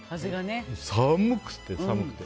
寒くて寒くて。